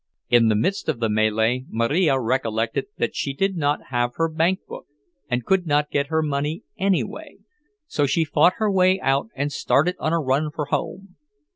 In the midst of the mêlée Marija recollected that she did not have her bankbook, and could not get her money anyway, so she fought her way out and started on a run for home.